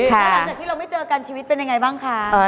จากที่เราไม่เจอกันชีวิตเป็นยังไงบ้างคะ